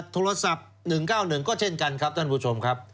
โทรศัพท์๑๙๑ก็เช่นกันครับท่านผู้ชมครับ